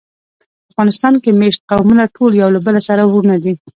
په افغانستان کې مېشت قومونه ټول یو له بله سره وروڼه دي.